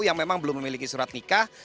yang memang belum memiliki surat nikah